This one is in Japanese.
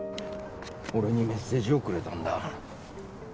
俺にメッセージをくれだんだ。